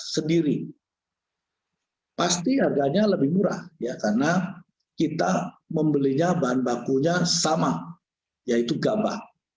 sendiri pasti harganya lebih murah ya karena kita membelinya bahan bakunya sama yaitu gabah